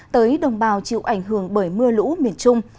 tới đồng bào chịu ảnh hưởng bởi mưa lũ miền trung